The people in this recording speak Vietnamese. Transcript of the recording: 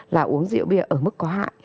là uống rượu bia ở mức có hại